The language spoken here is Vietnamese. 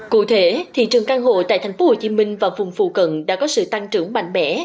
cụ thể thị trường căn hộ tại tp hcm và vùng phù cận đã có sự tăng trưởng mạnh mẽ